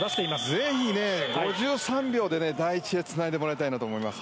ぜひ５３秒で第１でつないでもらいたいと思います。